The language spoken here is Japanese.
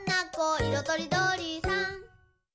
いろとりどりさん」